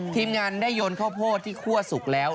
ทีมงานได้ยนข้าวโพดที่คั่วสุกแล้ว